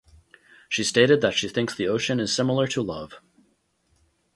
She stated that she thinks the ocean is similar to love.